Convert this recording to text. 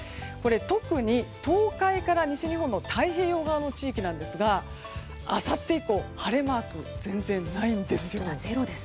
特に東海から西日本の太平洋側の地域ですがあさって以降、晴れマークが全然ないんですよ。